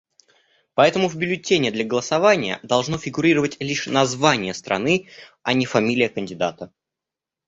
Поэтому в бюллетене для голосования должно фигурировать лишь название страны, а не фамилия кандидата.